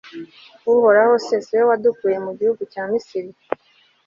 uhoraho se, si we wadukuye mu gihugu cya misiri